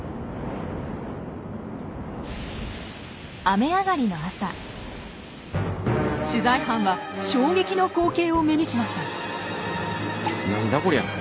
雨上がりの朝取材班は衝撃の光景を目にしました。